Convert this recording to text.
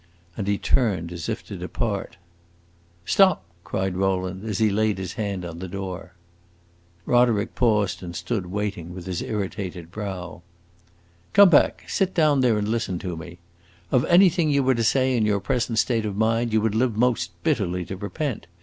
And he turned, as if to depart. "Stop!" cried Rowland, as he laid his hand on the door. Roderick paused and stood waiting, with his irritated brow. "Come back; sit down there and listen to me. Of anything you were to say in your present state of mind you would live most bitterly to repent.